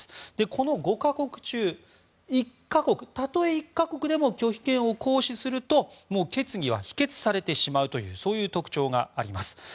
この５か国中、たとえ１か国でも拒否権を行使すると決議は否決されてしまうという特徴があります。